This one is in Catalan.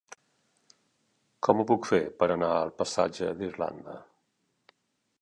Com ho puc fer per anar al passatge d'Irlanda?